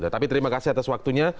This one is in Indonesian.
tapi terima kasih atas waktunya